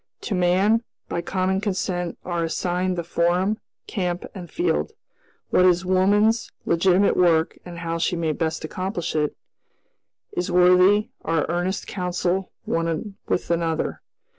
To man, by common consent, are assigned the forum, camp, and field. What is woman's legitimate work and how she may best accomplish it, is worthy our earnest counsel one with another.